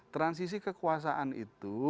transisi kekuasaan itu